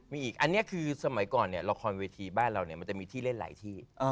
มีอีกอันนี้คือสมัยก่อนเนี่ยละครเวทีบ้านเราเนี่ยมันจะมีที่เล่นหลายที่